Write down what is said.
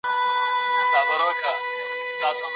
د خلکو نظرونه به راټولېږي.